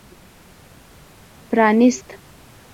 پرانېست.